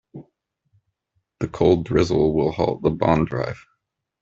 The cold drizzle will halt the bond drive.